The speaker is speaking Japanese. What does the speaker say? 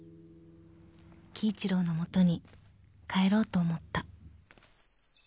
［輝一郎の元に帰ろうと思った］